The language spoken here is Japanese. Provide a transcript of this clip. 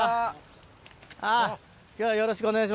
あっ今日はよろしくお願いします。